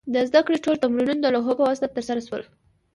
د زده کړې ټول تمرینونه د لوحو په واسطه ترسره شول.